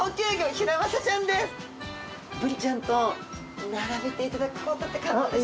ブリちゃんと並べていただくことって可能でしょうか？